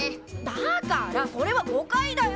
だからそれは誤解だよ。